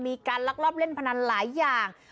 ลักลอบเล่นพนันหลายอย่าง